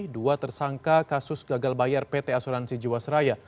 dua tersangka kasus gagal bayar pt asuransi jiwasraya